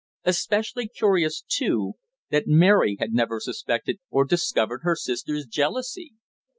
Especially curious, too, that Mary had never suspected or discovered her sister's jealousy.